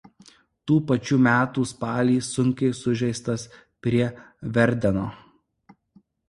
Tų pačių metų spalį sunkiai sužeistas prie Verdeno.